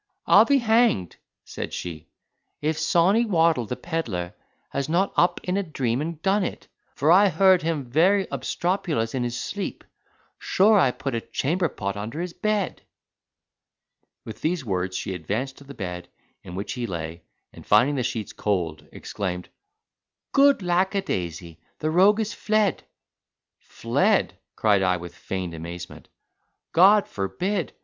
"I'll be hanged," said she, "if Sawney Waddle, the pedlar, has not got up in a dream and done it, for I heard him very obstropulous in his sleep.—Sure I put a chamberpot under his bed!" With these words she advanced to the bed, in which he lay, and, finding the sheets cold, exclaimed, "Good lackadaisy! The rogue is fled." "Fled," cried I, with feigned amazement, "God forbid!